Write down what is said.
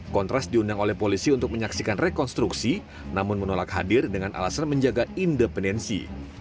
kontras diundang oleh polisi untuk menyaksikan rekonstruksi namun menolak hadir dengan alasan menjaga independensi